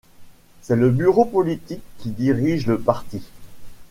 C’est le bureau politique qui dirige le parti.